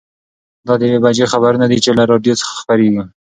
دا د یوې بجې خبرونه دي چې له راډیو څخه خپرېږي.